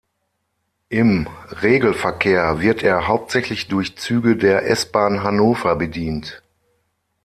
Im Regelverkehr wird er hauptsächlich durch Züge der S-Bahn Hannover bedient.